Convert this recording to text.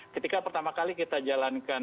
ketika pertama kali kita jalankan